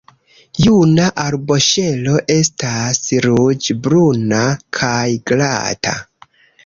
Juna arboŝelo estas ruĝ-bruna kaj glata.